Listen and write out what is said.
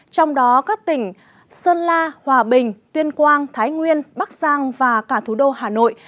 trong đó các tỉnh sơn la hòa bình tuyên quang thái nguyên bắc giang và cả thủ đô hà nội